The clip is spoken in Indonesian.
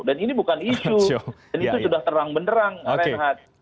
dan ini bukan isu dan itu sudah terang benerang ryan hunt